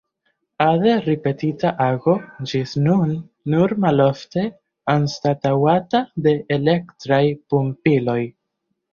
Ade ripetita ago, ĝis nun nur malofte anstataŭata de elektraj pumpiloj.